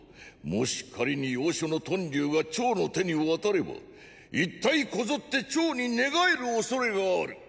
もし仮に要所の“屯留”が趙の手に渡れば一帯こぞって趙に寝返る恐れがある。